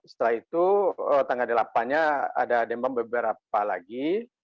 setelah itu tanggal delapan nya ada demam beberapa lagi